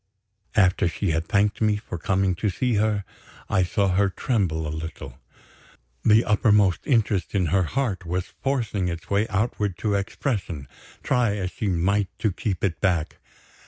After she had thanked me for coming to see her, I saw her tremble a little. The uppermost interest in her heart was forcing its way outward to expression, try as she might to keep it back.